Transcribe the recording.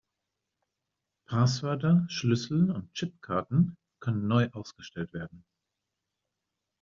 Passwörter, Schlüssel und Chipkarten können neu ausgestellt werden.